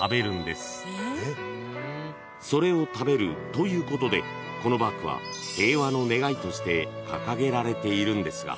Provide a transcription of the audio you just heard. ［それを食べるということでこの獏は平和の願いとして掲げられているんですが］